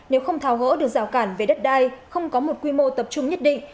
nếu không tháo gỡ được rào cản về đất đai không có một quy mô tập trung nhất định